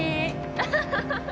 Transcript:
アハハハハ！